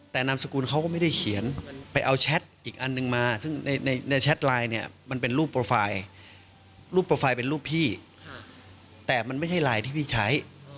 แต่นามสกุลเขาก็ไม่ได้เขียนไปเอาแชทอีกอันนึงมาซึ่งในแชทไลน์เนี่ยมันเป็นรูปโปรไฟล์รูปโปรไฟล์เป็นรูปพี่แต่มันไม่ใช่ไลน์ที่พี่ใช้